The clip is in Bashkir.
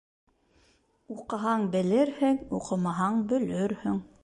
Уҡыһаң белерһең, уҡымаһаң бөлөрһөң.